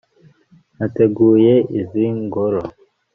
nateguye izi ngoro